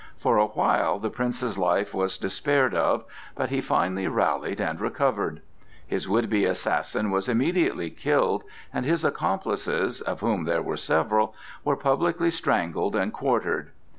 For a while the Prince's life was despaired of, but he finally rallied and recovered. His would be assassin was immediately killed, and his accomplices, of whom there were several, were publicly strangled and quartered.